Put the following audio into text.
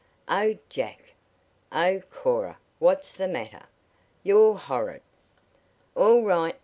"Oh, Jack!" "Oh, Cora! What's the matter?" "You're horrid!" "All right.